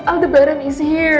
amdebanan avari di sini